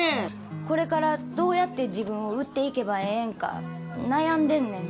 これからどうやって自分を売っていけばええんか悩んでんねん。